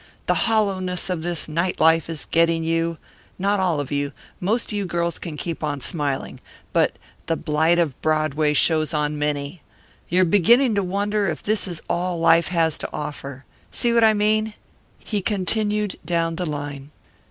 The hollowness of this night life is getting you; not all of you most of you girls can keep on smiling but The Blight of Broadway shows on many. You're beginning to wonder if this is all life has to offer see what I mean?" He continued down the line.